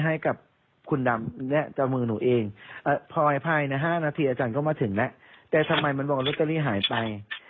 หายภายนะ๕นาทีอาจารย์ก็มาถึงแล้วแต่ทำไมมันบอกว่ารถเตอรี่หายไป